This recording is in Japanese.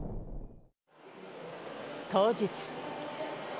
当日。